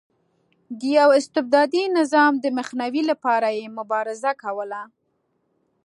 د یوه استبدادي نظام د مخنیوي لپاره یې مبارزه کوله.